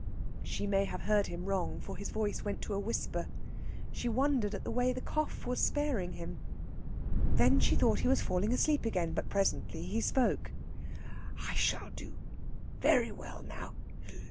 She may have heard him wrong, for his voice went to a whisper. She wondered at the way the cough was sparing him. Then she thought he was falling asleep again; but presently he spoke. "I shall do very well now....